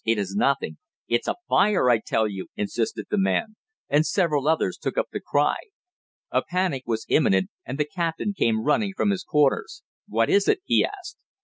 "It is nothing!" "It's a fire, I tell you!" insisted the man, and several others took up the cry. A panic was imminent, and the captain came running from his quarters. "What is it?" he asked.